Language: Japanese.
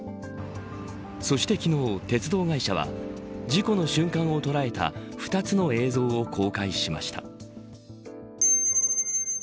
そして昨日、鉄道会社は事故の瞬間を捉えた２つの映像を公開しました。